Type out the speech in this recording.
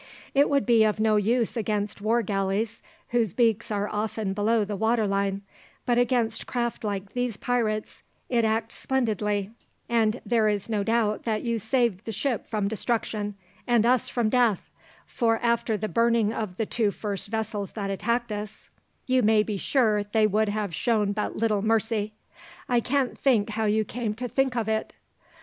It would be of no use against war galleys, whose beaks are often below the waterline, but against craft like these pirates it acts splendidly, and there is no doubt that you saved the ship from destruction, and us from death, for after the burning of the two first vessels that attacked us, you may be sure they would have shown but little mercy. I can't think how you came to think of it."